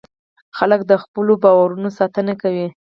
خلک د خپلو باورونو ساتنه کوي.